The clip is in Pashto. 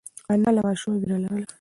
انا له ماشومه وېره لرله.